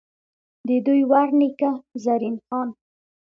ددوي ور نيکۀ، زرين خان ،